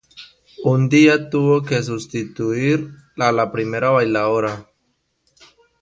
Un día tuvo que sustituir a la primera bailaora.